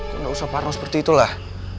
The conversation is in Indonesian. kau tidak usah paruh seperti itulah